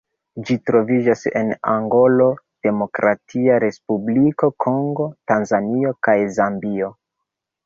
Ĝi troviĝas en Angolo, Demokratia Respubliko Kongo, Tanzanio kaj Zambio.